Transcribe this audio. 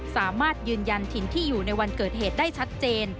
สามารถยืนยันถิ่นที่อยู่ในวันเกิดเหตุได้ชัดเจน